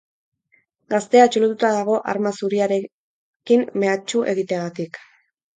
Gaztea atxilotuta dago arma zuriarekin mehatxu egiteagatik.